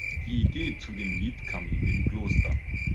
Die Idee zu dem Lied kam ihm im Kloster.